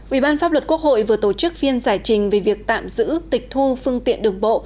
ủy ban pháp luật quốc hội vừa tổ chức phiên giải trình về việc tạm giữ tịch thu phương tiện đường bộ